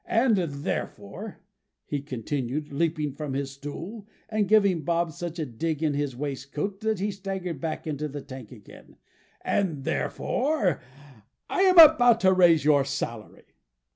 And therefore," he continued, leaping from his stool, and giving Bob such a dig in his waistcoat that he staggered back into the Tank again, "and, therefore, I am about to raise your salary!"